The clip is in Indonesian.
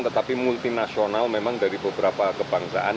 tetapi multi nasional memang dari beberapa kebangsaan